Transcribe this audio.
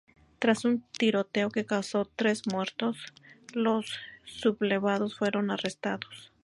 Tras un tiroteo que causó tres muertos, los sublevados fueron arrestados.